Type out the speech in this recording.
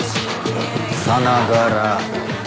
さながら。